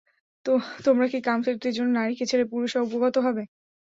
তোমরা কি কাম-তৃপ্তির জন্যে নারীকে ছেড়ে পুরুষে উপগত হবে?